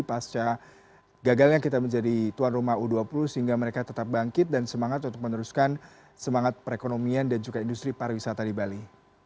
pasca gagalnya kita menjadi tuan rumah u dua puluh sehingga mereka tetap bangkit dan semangat untuk meneruskan semangat perekonomian dan juga industri pariwisata di bali